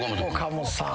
岡本さん。